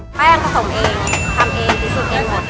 อันผสมเองทำเองพิสูจน์เอง